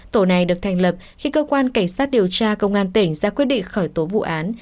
tổ này được thành lập khi cơ quan cảnh sát điều tra công an tỉnh ra quyết định khởi tố vụ án